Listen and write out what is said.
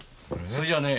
それじゃあね